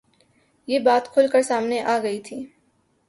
یہ بات کُھل کر سامنے آ گئی تھی